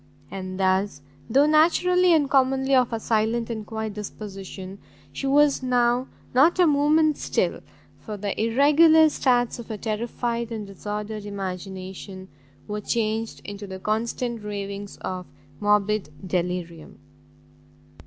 And thus, though naturally and commonly of a silent and quiet disposition, she was now not a moment still, for the irregular starts of a terrified and disordered imagination, were changed into the constant ravings of morbid delirium.